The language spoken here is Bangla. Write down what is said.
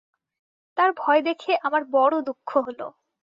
তার ভয় দেখে আমার বড়ো দুঃখ হল।